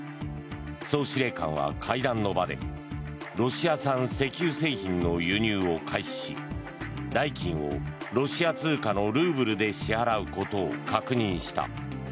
総司令官は会談の場でロシア産石油製品の輸入を開始し代金をロシア通貨のルーブルで支払うことを確認した。